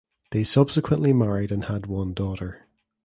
They subsequently married and had one daughter.